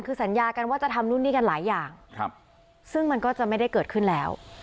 คือสัญญากันว่าจะทำนู่นนี่กันหลายอย่างครับซึ่งมันก็จะไม่ได้เกิดขึ้นแล้ว